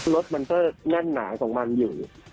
รถมันก็แน่นหนาของมันอยู่